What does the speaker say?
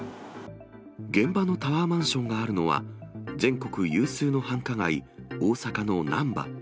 現場のタワーマンションがあるのは、全国有数の繁華街、大阪のなんば。